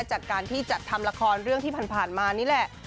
จากการที่จัดทำละครเรื่องที่ผ่านมานี่แหละ